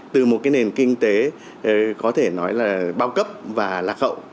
từ một cái nền kinh tế có thể nói là bao cấp và lạc hậu